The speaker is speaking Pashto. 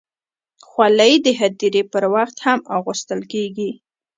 خولۍ د هدیرې پر وخت هم اغوستل کېږي.